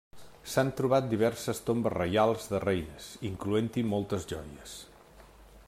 S'han trobat diverses tombes reials, de reines, incloent-hi moltes joies.